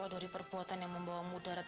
dari perbuatan yang membawa mudarat